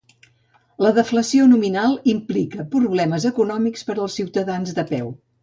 La deflació nominal implica problemes econòmics per als ciutadans de peu.